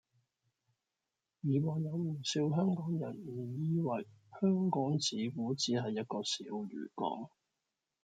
以往有唔少香港人誤以為香港自古只係一個小漁港